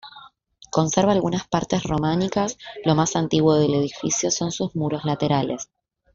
Conserva algunas partes románicas, lo más antiguo del edificio son sus muros laterales.